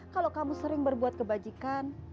kalau kamu sering berbuat kebajikan